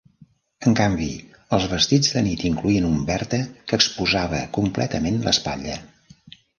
En canvi, els vestits de nit incloïen un Bertha, que exposava completament l'espatlla.